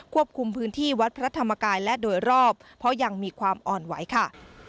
คุมพื้นที่วัดพระธรรมกายและโดยรอบเพราะยังมีความอ่อนไหวค่ะ